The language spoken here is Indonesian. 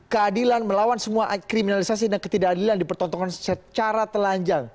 keadilan melawan semua kriminalisasi dan ketidakadilan dipertontonkan secara telanjang